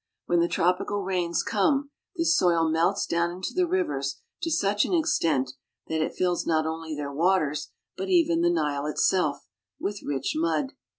When the tropical rains come this soil melts down into the rivers to such an extent that it North eastern Africa. fills not only their waters, but even the Nile itself, with rich mud.